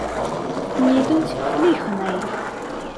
Не ідуць, ліха на іх!